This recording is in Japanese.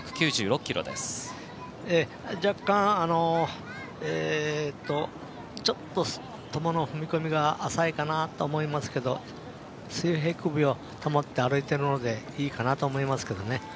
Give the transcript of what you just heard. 若干、トモの踏み込みが浅いかなと思いますけど水平クビを保って歩いているのでいいかなと思いますけどね。